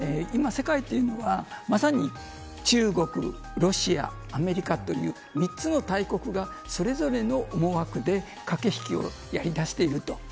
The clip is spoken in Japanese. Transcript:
今、世界というのはまさに中国、ロシア、アメリカという３つの大国がそれぞれの思惑で駆け引きをやりだしていると。